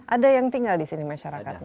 ada yang tinggal di sini masyarakatnya